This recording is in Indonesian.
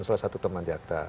salah satu teman rata